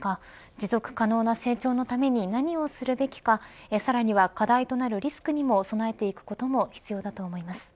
持続可能な成長のために何をするべきかさらには課題となるリスクにも備えていくことも必要だと思います。